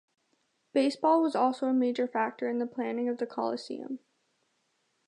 Baseball was also a major factor in the planning of the Coliseum.